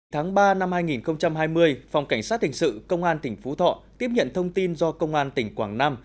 tháng ba năm hai nghìn hai mươi phòng cảnh sát hình sự công an tỉnh phú thọ tiếp nhận thông tin do công an tỉnh quảng nam